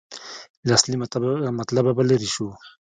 له اصلي مطلبه به لرې شو.